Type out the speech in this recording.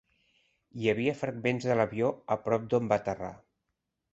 Hi havia fragments de l'avió a prop d'on va aterrar.